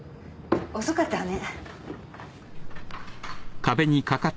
遅かったわね。